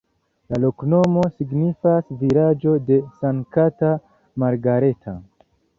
La loknomo signifas vilaĝo-de-Sankta Margareta.